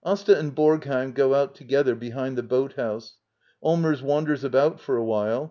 [Asta and Borgheim go out together behind the boat house. Allmers wanders about for a while.